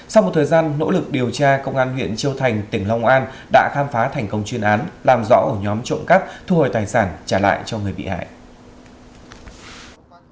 sau một thời gian nỗ lực điều tra công an huyện châu thành tỉnh long an đã khám phá thành công chuyên án làm rõ ổ nhóm trộm cắp thu hồi tài sản trả lại cho người bị hại